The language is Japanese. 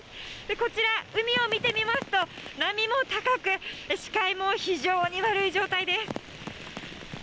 こちら、海を見てみますと、波も高く、視界も非常に悪い状態です。